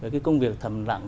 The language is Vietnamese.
cái công việc thầm lặng